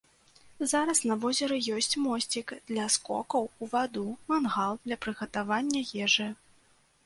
Зараз на возеры ёсць мосцік для скокаў у ваду, мангал для прыгатавання ежы.